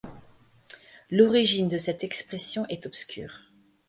L’origine de cette expression est obscure.